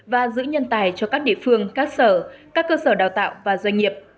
và giữ nhân tài cho các địa phương các sở các cơ sở đào tạo và doanh nghiệp